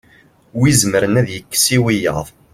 wi izemren ad ikkes i wiyaḍ